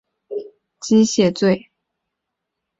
寅底石向阿保机谢罪。